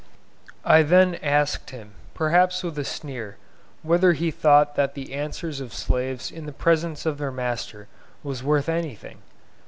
I then asked him, perhaps with a sneer, whether he thought that the answer of slaves in the presence of their master was worth anything?